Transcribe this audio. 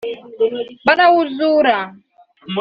barawuzura